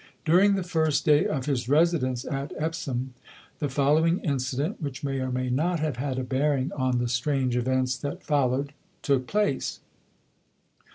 During the first day of his residence at Epsom the following incident which may or may not have had a bearing on the strange events that followed took place.